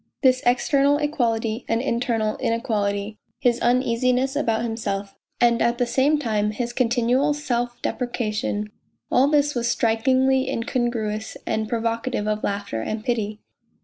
This external equality and internal inequality, his uneasiness about himself and at the same time his continual self depreciation all this was strikingly incon gruous and provocative of laughter and pity.